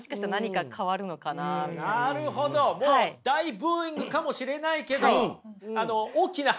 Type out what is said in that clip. もう大ブーイングかもしれないけど。